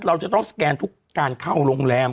เราจะต้องสแกนทุกการเข้าโรงแรม